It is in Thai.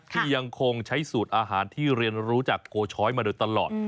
ที่ยังคงใช้สูตรอาหารที่เรียนรู้จากโกช้อยมาโดยตลอด